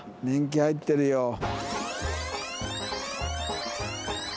年季入ってるよ。